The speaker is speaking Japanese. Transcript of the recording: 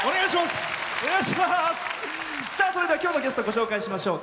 それでは今日のゲストご紹介しましょう。